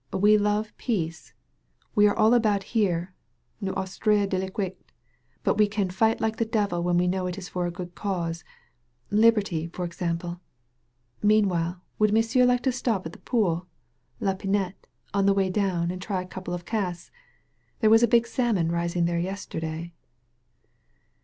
We love peace — we all about here (nous aiUres d*iQite) — biU we can Jighi like Ihe devil when we know it is for a good cause — liberty^ for example. Meanwhile would M'sieu* like to stop at the pool ^La Pinette^ on the way down and tiy a couple of casts ? There was a big salmon rising there yesterday."